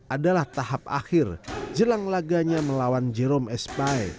adalah tahap akhir jelang laganya melawan jerome espi